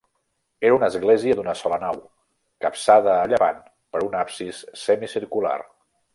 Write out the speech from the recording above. Era una església d'una sola nau, capçada a llevant per un absis semicircular.